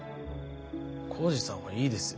耕治さんはいいですよ。